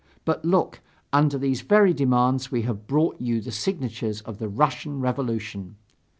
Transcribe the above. But look, under these very demands we have brought you the signature of the Russian revolution."